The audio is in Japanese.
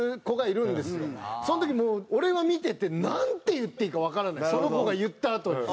その時にもう俺は見ててなんて言っていいかわからないその子が言ったあとに。